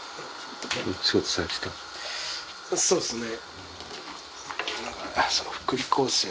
そうっすね。